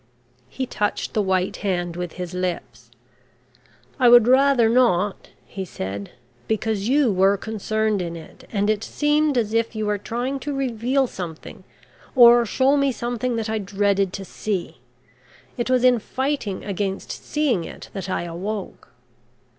He touched the white hand with his lips. "I would rather not," he said, "because you were concerned in it, and it seemed as if you were trying to reveal something or show me something that I dreaded to see. It was in fighting against seeing it that I awoke."